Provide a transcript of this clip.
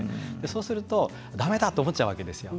そうするとだめだと思っちゃうわけですよ。